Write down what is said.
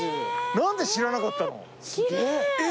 何で知らなかったの。